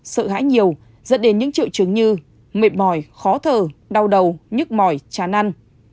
sợ hãi nhiều dẫn đến những triệu chứng như mệt mỏi khó thở đau đầu nhức mỏi chán ăn